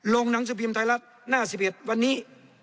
หนังสือพิมพ์ไทยรัฐหน้า๑๑วันนี้